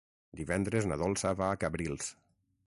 Divendres na Dolça va a Cabrils.